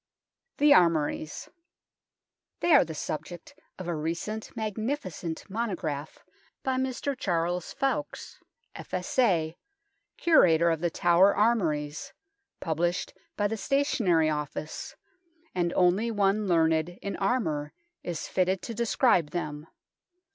THE ARMOURIES They are the subject of a recent magnifi cent monograph by Mr. Charles ffoulkes, F.S.A., Curator of The Tower Armouries, published by the Stationary Office, and only one learned in armour is fitted to describe them.